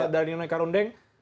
dari ninoi karundek